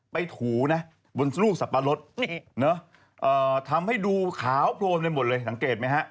ถูนะบนลูกสับปะรดทำให้ดูขาวโพลนไปหมดเลยสังเกตไหมฮะ